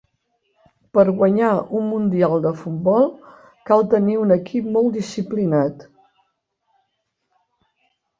Per guanyar un mundial de futbol cal tenir un equip molt disciplinat.